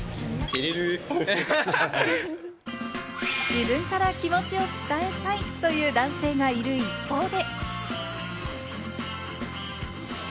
自分から気持ちを伝えたいという男性がいる一方で。